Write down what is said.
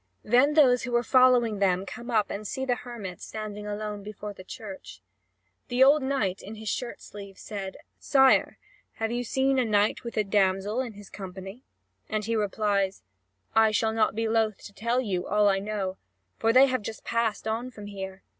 Then those who were following them come up and see the hermit standing alone before the church. The old knight in his shirt sleeves said: "Sire, tell us, have you seen a knight with a damsel in his company?" And he replies: "I shall not be loath to tell you all I know, for they have just passed on from here.